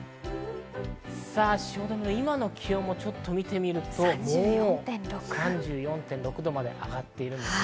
汐留の今の気温を見てみると、３４．６度まで上がっています。